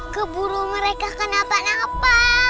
keburu mereka kenapa napa